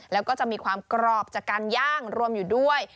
แล้วก็จะมีความกรอบจากการย่างรวมอยู่ด้วย